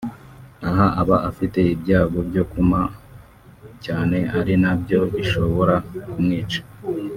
aha aba afite ibyago byo kuma cyane ari na byo bishobora kumwica